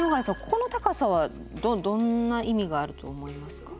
この高さはどんな意味があると思いますか？